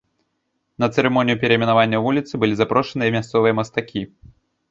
На цырымонію перайменавання вуліцы былі запрошаныя мясцовыя мастакі.